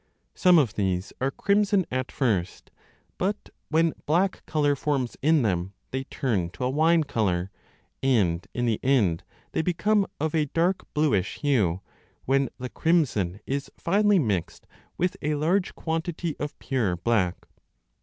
Some of these are crimson at first ; but when black colour forms in them, they turn to a wine colour, and in the end they become of a dark bluish hue, when the crimson is 30 finally mixed with a large quantity of pure black.